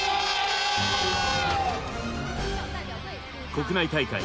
国内大会